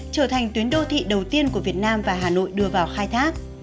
trở thành tuyến đô thị đầu tiên của việt nam và hà nội đưa vào khai thác